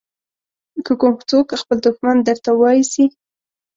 که کوم څوک خپل دښمن درته واېسي.